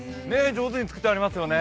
上手に作ってありますよね。